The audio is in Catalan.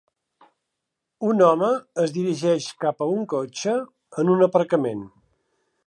Un home es dirigeix cap a un cotxe en un aparcament.